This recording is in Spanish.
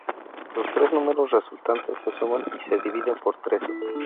Los tres números resultantes se suman y se dividen por tres.